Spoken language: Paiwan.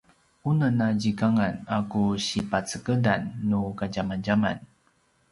unem a zikangan a ku si pacegedan nu kadjamadjaman